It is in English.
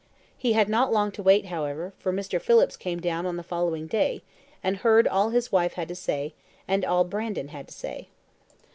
He had not long to wait, however, for Mr. Phillips came down on the following day, and heard all his wife had to say and all Brandon had to say.